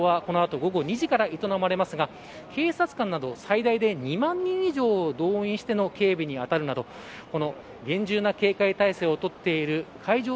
安倍元総理の国葬はこの後午後２時から営まれますが警察官など最大で２万人以上を動員しての警備に当たるなど厳重な警戒態勢を取っている会場